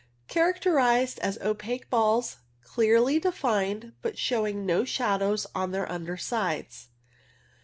Characterized as opaque rounded balls clearly defined, but showing no shadows on their under sides.